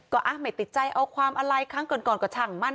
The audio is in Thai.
ก็ไม่ติดใจเอาความอะไรครั้งก่อนก่อนก็ช่างมั่น